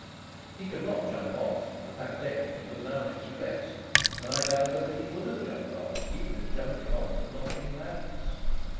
He could not jump off; the pantechnicon was now an express, and I doubt whether he would have jumped off, even if jumping off had not been madness.